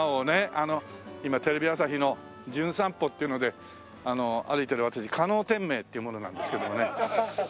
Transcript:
あの今テレビ朝日の『じゅん散歩』っていうので歩いてる私加納典明っていう者なんですけどもね。